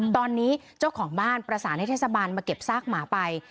ตอนนี้เจ้าของบ้านประสานให้เทศบาลมาเก็บซากหมาไป